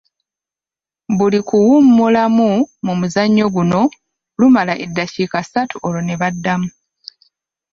Buli kuwummulamu mu muzannyo guno lumala eddakiika ssatu olwo ne baddamu.